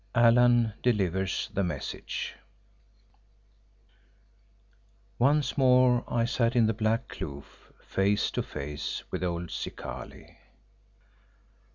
ALLAN DELIVERS THE MESSAGE Once more I sat in the Black Kloof face to face with old Zikali.